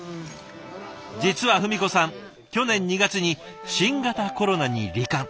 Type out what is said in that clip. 実は文子さん去年２月に新型コロナにり患。